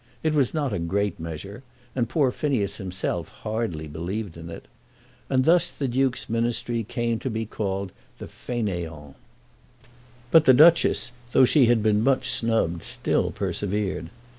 It was not a great measure, and poor Phineas himself hardly believed in it. And thus the Duke's ministry came to be called the Faineants. But the Duchess, though she had been much snubbed, still persevered.